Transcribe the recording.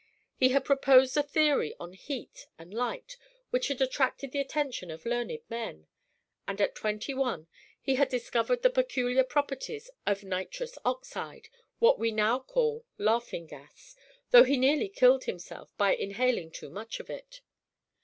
He had proposed a theory on heat and light which had attracted the attention of learned men; and at twenty one he had discovered the peculiar properties of nitrous oxide what we now call "laughing gas" though he nearly killed himself by inhaling too much of it.